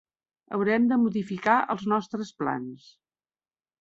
Haurem de modificar els nostres plans.